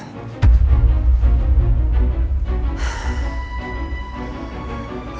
nino tidur dimana ya semalu